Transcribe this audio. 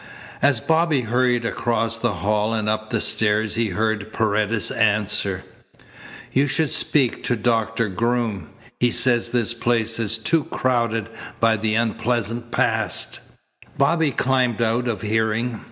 As Bobby hurried across the hall and up the stairs he heard Paredes answer: "You should speak to Doctor Groom. He says this place is too crowded by the unpleasant past " Bobby climbed out of hearing.